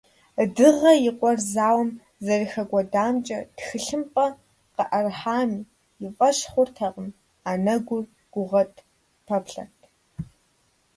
Дыгъэ и къуэр зауэм зэрыхэкӏуэдамкӏэ тхылъымпӏэ къыӏэрыхьами, и фӏэщ хъуртэкъым, анэгур гугъэт, пэплъэрт.